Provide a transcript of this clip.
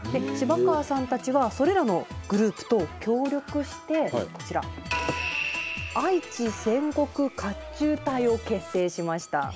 芝川さんたちはそれらのグループと協力してこちら「愛知戦国甲胄隊」を結成しました。